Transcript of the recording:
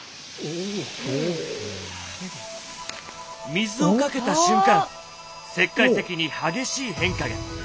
水をかけた瞬間石灰石に激しい変化が！